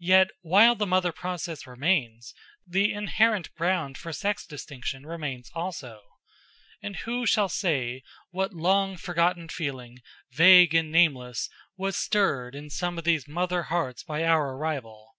Yet while the mother process remains, the inherent ground for sex distinction remains also; and who shall say what long forgotten feeling, vague and nameless, was stirred in some of these mother hearts by our arrival?